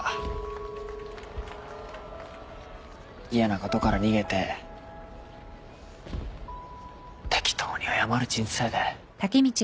嫌なことから逃げて適当に謝る人生で。